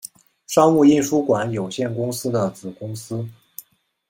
商务印书馆有限公司的子公司。